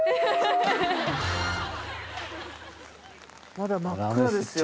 まだ真っ暗ですよ